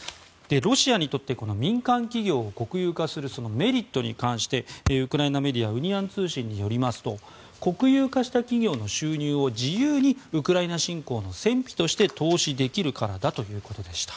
ロシアにとって民間企業を国有化するメリットに関してウクライナメディアのウニアン通信によりますと国有化した企業の収入を自由にウクライナ侵攻の戦費として投資できるからだということでした。